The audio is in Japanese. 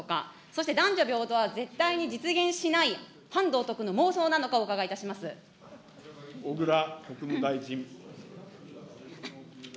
そして男女平等は絶対に実現しない、反道徳の妄想なのか、お伺い小倉国務大臣。